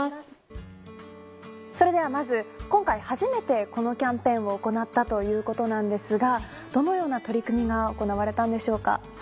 それではまず今回初めてこのキャンペーンを行ったということなんですがどのような取り組みが行われたんでしょうか？